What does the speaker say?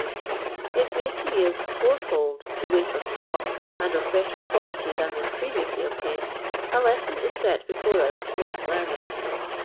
f, is made to yield jonrfold the weight of crop and of Utter rj^ualitv than was previously obuiined, a lesson is set before us worth learning."